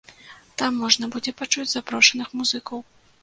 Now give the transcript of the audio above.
Там можна будзе пачуць запрошаных музыкаў.